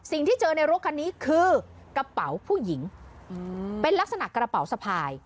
เจอในรถคันนี้คือกระเป๋าผู้หญิงเป็นลักษณะกระเป๋าสะพาย